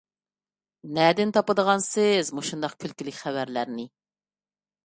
نەدىن تاپىدىغانسىز مۇشۇنداق كۈلكىلىك خەۋەرلەرنى؟